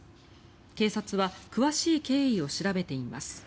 警察は詳しい経緯を調べています。